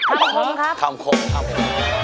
ครับผมครับครับผมครับครับผมครับ